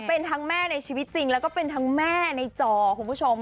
เป็นทั้งแม่ในชีวิตจริงแล้วก็เป็นทั้งแม่ในจอคุณผู้ชม